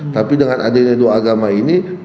tapi dengan adanya dua agama ini